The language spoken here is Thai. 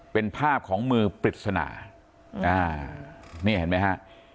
เป็นภาพของมือปริศนาอ่านี่เห็นไหมฮะ